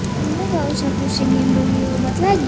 kamu gak usah pusingin bumi umat lagi